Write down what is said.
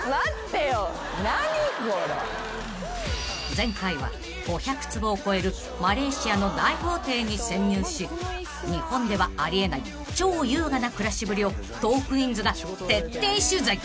［前回は５００坪を超えるマレーシアの大豪邸に潜入し日本ではあり得ない超優雅な暮らしぶりを『トークィーンズ』が徹底取材］